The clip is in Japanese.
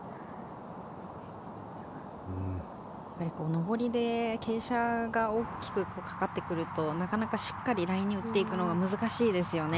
上りで傾斜が大きくかかってくるとなかなかしっかりラインに打っていくのが難しいですよね。